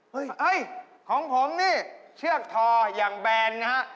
เฮ่ยของผมนี่เชือกทออย่างแบรนด์นะครับ